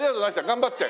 頑張って。